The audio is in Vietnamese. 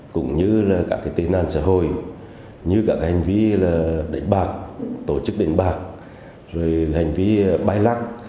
cũng như các tên an xã hội như các hành vi đánh bạc tổ chức đánh bạc hành vi bay lắc